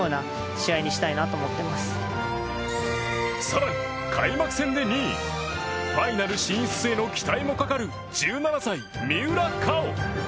更に、開幕戦で２位ファイナル進出への期待もかかる１７歳、三浦佳生。